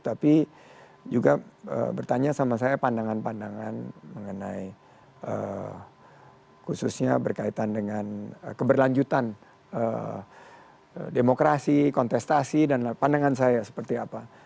tapi juga bertanya sama saya pandangan pandangan mengenai khususnya berkaitan dengan keberlanjutan demokrasi kontestasi dan pandangan saya seperti apa